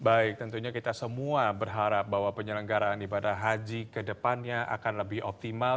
baik tentunya kita semua berharap bahwa penyelenggaraan ibadah haji kedepannya akan lebih optimal